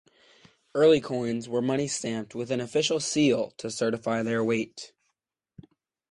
Early coins were money stamped with an official seal to certify their weight.